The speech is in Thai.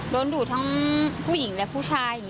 โดนดูดทั้งผู้หญิงและผู้ชาย